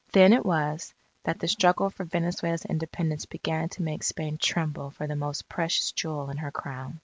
Then it was, that the struggle for Venezuela's Independence began to make Spain tremble for the most precious jewel in her Crown.